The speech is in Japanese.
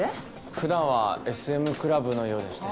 ふだんはＳＭクラブのようでして。